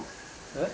えっ？